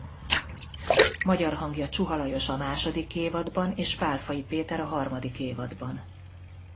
Magyar hangja Csuha Lajos a második évadban és Pálfai Péter a harmadik évadban.